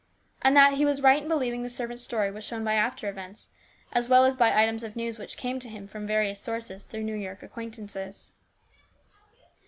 And that he was right in believing the servant's story was shown by after events, as well as by items of news which came to him from various sources through New York acquaintances.